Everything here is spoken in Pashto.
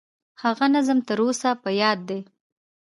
هغه نظم تر اوسه په یاد دي.